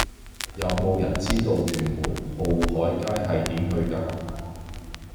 有無人知道屯門浩海街係點去㗎